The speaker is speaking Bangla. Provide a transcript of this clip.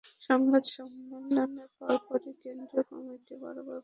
সংবাদ সম্মেলনের পরপরই কেন্দ্রীয় কমিটি বরাবর সুপারিশ পাঠিয়ে দেওয়ার কথা ছিল।